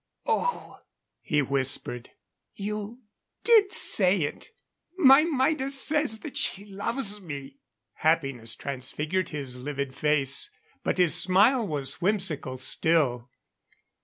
"Oh," he whispered. "You did say it! My Maida says that she loves me!" Happiness transfigured his livid face. But his smile was whimsical still.